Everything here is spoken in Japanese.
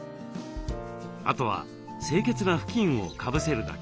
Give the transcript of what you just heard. あとは清潔な布巾をかぶせるだけ。